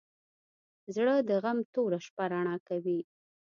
زړه د غم توره شپه رڼا کوي.